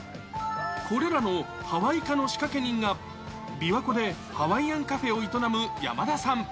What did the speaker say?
これらのハワイ化の仕掛け人が、琵琶湖でハワイアンカフェを営む山田さん。